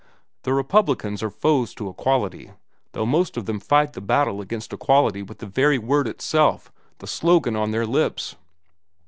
The Republicans are foes to equality, though most of them fight the battle against equality with the very word itself the slogan on their lips.